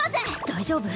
大丈夫？